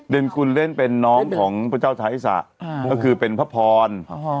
คุณเล่นเป็นน้องของพระเจ้าชายสะก็คือเป็นพระพร